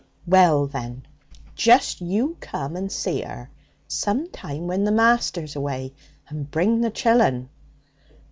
'Well, then, just you come and see 'er some time when the master's away. And bring the chillun.'